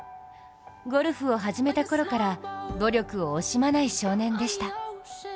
ゴルフを始めたころから努力を惜しまない少年でした。